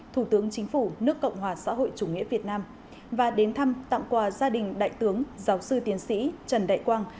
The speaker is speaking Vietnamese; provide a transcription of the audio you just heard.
thủ tướng chính phủ nước cộng hòa xã hội chủ nghĩa việt nam và đến thăm tặng quà gia đình đại tướng giáo sư tiến sĩ trần đại quang